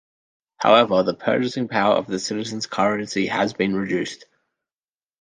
However, the purchasing power of the citizens' currency has been reduced.